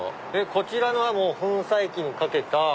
こちらのは粉砕機にかけた。